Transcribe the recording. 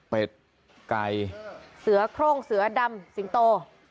ไก่เสือโครงเสือดำสิงโต